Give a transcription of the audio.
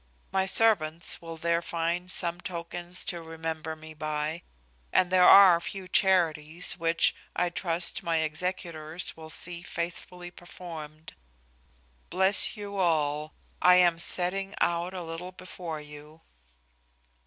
My servants will there find some tokens to remember me by; and there are a few charities which, I trust, my executors will see faithfully performed. Bless you all. I am setting out a little before you."